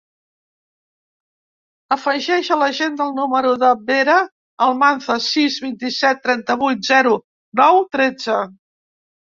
Afegeix a l'agenda el número de la Vera Almanza: sis, vint-i-set, trenta-vuit, zero, nou, tretze.